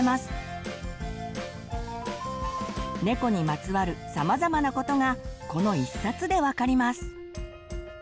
ねこにまつわるさまざまなことがこの一冊で分かります。